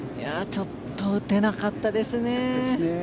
ちょっと打てなかったですね。